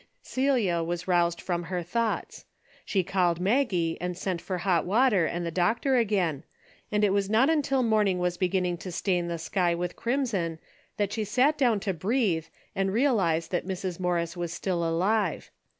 Celia was roused from her thoughts. She called Maggie and sent for hot water and the doctor again, and it was not until morning was beginning to stain the sky with crimson that she sat down to breathe and realize that Mrs. Morris was still alive.